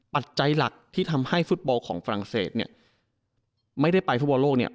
ปัจจัยหลักที่ทำให้ฟุตบอลของฝรั่งเศสเนี่ยไม่ได้ไปฟุตบอลโลกเนี่ย